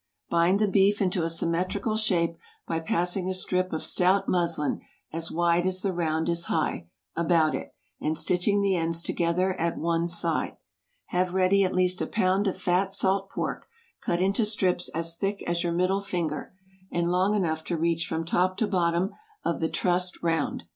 Bind the beef into a symmetrical shape by passing a strip of stout muslin, as wide as the round is high, about it, and stitching the ends together at one side. Have ready at least a pound of fat salt pork, cut into strips as thick as your middle finger, and long enough to reach from top to bottom of the trussed round.